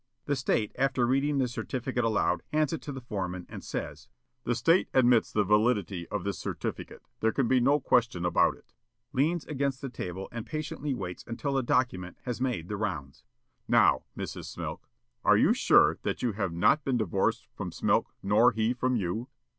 The State, after reading the certificate aloud, hands it to the foreman, and says: "The State admits the validity of this certificate. There can be no question about it." Leans against the table and patiently waits until the document has made the rounds. "Now, Mrs. Similk, you are sure that you have not been divorced from Smilk nor he from you?"